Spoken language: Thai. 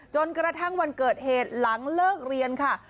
จนกระทั่งวันเกิดเหตุหลังเลิกเรียนค่ะ